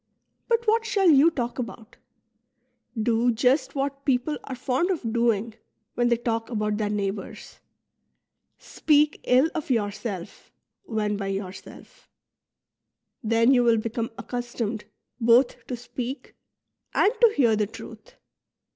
But what shall you talk about ? Do just what people are fond of doing when they talk about their neighbours, — speak ill of yourself when by yourself; then you will become accustomed both to speak and to hear the truth.